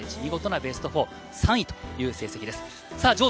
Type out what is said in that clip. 見事なベスト４、３位という成績です。